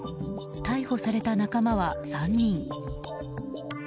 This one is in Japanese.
逮捕された仲間は３人。